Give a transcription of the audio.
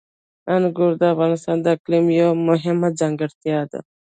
انګور د افغانستان د اقلیم یوه مهمه ځانګړتیا ده.